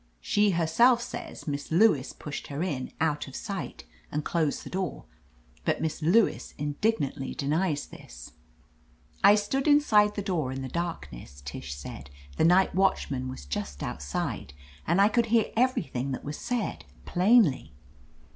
She herself says Miss Lewis pushed her in, out of sight, and closed the door, but Miss Lewis indignantly denies this. *1 stood inside the door, in the darkness," Tish said. "The night watchman was just outside, and I could hear everything that was said, plainly.